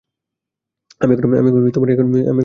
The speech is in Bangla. আমি এখন তোমার হোটেলে কল করছি।